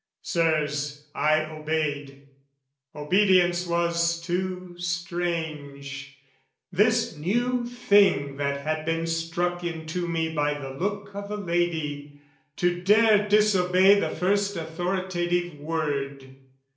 Sirs, I obeyed. Obedience was too strange, This new thing that had been struck into me By the look o' the lady, to dare disobey The first authoritative word.